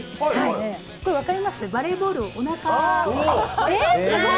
これ分かります、バレーボールをおなかに。